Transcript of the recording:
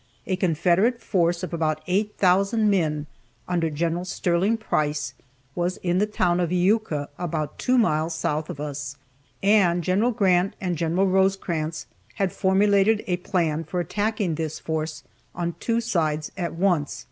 A Confederate force of about eight thousand men under Gen. Sterling Price was at the town of Iuka, about two miles south of us, and Gen. Grant and Gen. Rosecrans had formulated a plan for attacking this force on two sides at once.